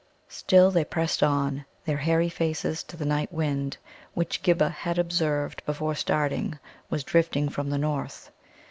Still they pressed on, their hairy faces to the night wind, which Ghibba had observed before starting was drifting from the north.